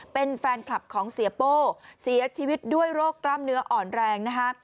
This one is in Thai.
เป็นแฟนคลับของเสียโป้เสียชีวิตด้วยโรคกล้ามเนื้ออ่อนแรงนะคะ